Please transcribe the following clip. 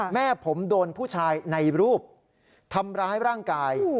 แม่ผมโดนผู้ชายในรูปทำร้ายร่างกาย